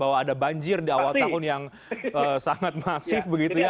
bahwa ada banjir di awal tahun yang sangat masif begitu ya